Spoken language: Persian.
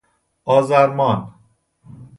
آزرمان